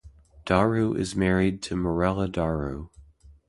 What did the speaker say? Daru is married to Mirella Daru.